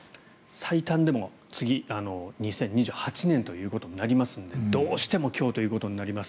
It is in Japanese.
最短でも次は２０２８年ということになりますのでどうしても今日ということになります。